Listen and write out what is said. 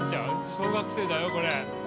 小学生だよこれ。